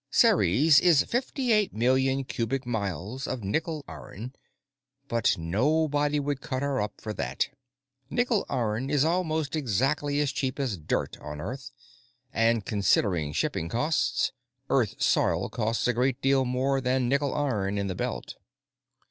Ceres is fifty eight million cubic miles of nickel iron, but nobody would cut her up for that. Nickel iron is almost exactly as cheap as dirt on Earth, and, considering shipping costs, Earth soil costs a great deal more than nickel iron in the Belt.